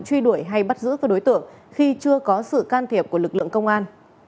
truy đuổi hay bắt giữ các đối tượng khi chưa có sự can thiệp của lực lượng công an